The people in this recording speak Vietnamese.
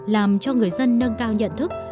làm cho người dân nâng cao nhận thức